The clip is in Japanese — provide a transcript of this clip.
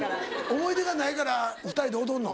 思い出がないから２人で踊るの？